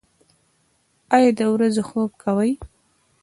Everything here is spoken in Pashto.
ایا د ورځې خوب کوئ؟